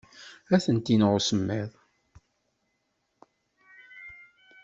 Ad ten-ineɣ usemmiḍ.